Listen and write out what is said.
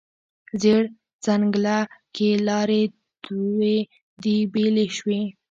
زیړ ځنګله کې لارې دوې دي، بیلې شوې